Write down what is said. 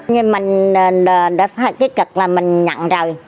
như mình đã phải cái cực là mình nhận rồi